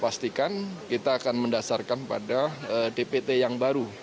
pastikan kita akan mendasarkan pada dpt yang baru